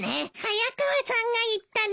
早川さんが言ったです。